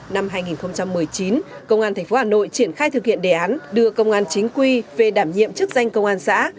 năm hai nghìn một mươi chín công an tp hà nội triển khai thực hiện đề án đưa công an chính quy về đảm nhiệm chức danh công an xã